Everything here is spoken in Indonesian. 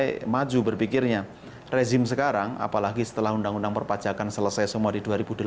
kita maju berpikirnya rezim sekarang apalagi setelah undang undang perpajakan selesai semua di dua ribu delapan belas